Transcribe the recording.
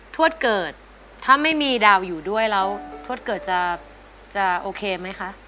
ทวดเกิดถ้าไม่มีดาวอยู่ด้วยแล้วทวดเกิดจะโอเคไหมคะ